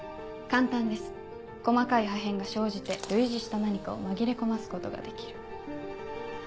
簡単です細かい破片が生じて類似した何かを紛れ込ますことができる。